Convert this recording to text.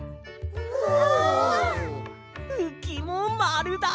うきもまるだ！